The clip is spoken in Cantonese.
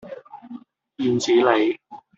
燕子里